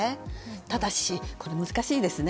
ただし、難しいですね。